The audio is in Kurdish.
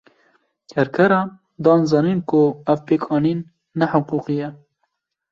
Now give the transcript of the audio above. Kerkeran, dan zanîn ku ev pêkanîn ne hiqûqî ye